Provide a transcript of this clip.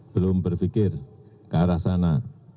belum berpikir ke arah sana